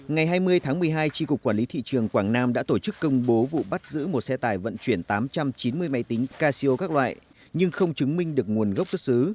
ngày hai mươi tháng một mươi hai tri cục quản lý thị trường quảng nam đã tổ chức công bố vụ bắt giữ một xe tải vận chuyển tám trăm chín mươi máy tính casio các loại nhưng không chứng minh được nguồn gốc xuất xứ